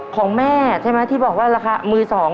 ของแม่ใช่ไหมที่บอกว่าราคามือสอง